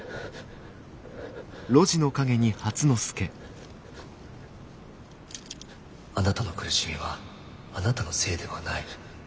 回想あなたの苦しみはあなたのせいではない。